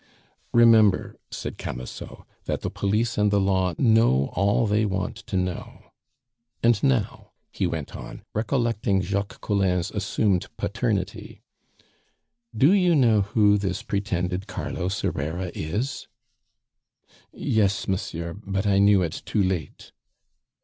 "Remember," said Camusot, "that the police and the law know all they want to know. And now," he went on, recollecting Jacques Collin's assumed paternity, "do you know who this pretended Carlos Herrera is?" "Yes, monsieur; but I knew it too late."